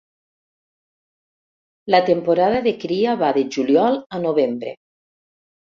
La temporada de cria va de Juliol a Novembre.